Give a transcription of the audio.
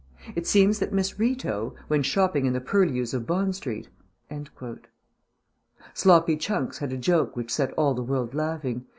It seems that Miss Rito, when shopping in the purlieus of Bond Street ..." Sloppy Chunks had a joke which set all the world laughing.